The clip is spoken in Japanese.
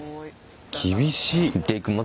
厳しい。